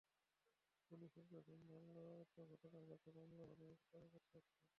গুলির শব্দে ঘুম ভাঙলএত ঘটনা ঘটে, মামলা হলেও বিচারে গতি আসে না।